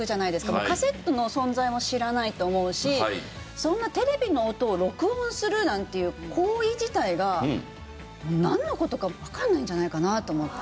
もうカセットの存在も知らないと思うしそんなテレビの音を録音するなんていう行為自体がなんの事かわかんないんじゃないかなと思って。